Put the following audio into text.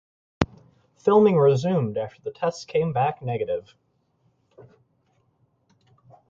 Filming resumed after the tests came back negative.